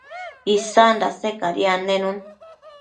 isan dase cadi annenun